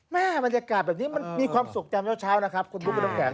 แม่บรรยากาศแบบนี้มันมีความสุขแจ้งเวลาเช้านะครับคุณพุทธคุณน้องแกะ